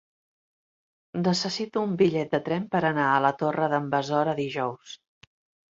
Necessito un bitllet de tren per anar a la Torre d'en Besora dijous.